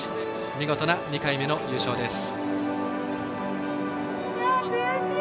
見事な２回目の優勝です。